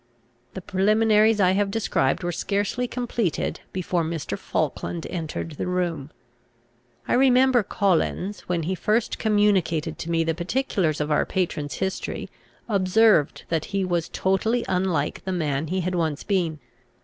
The preliminaries I have described were scarcely completed, before Mr. Falkland entered the room. I remember Collins, when he first communicated to me the particulars of our patron's history, observed that he was totally unlike the man he had once been.